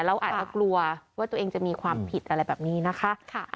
เราอาจจะกลัวว่าตัวเองจะมีความผิดอะไรแบบนี้นะคะ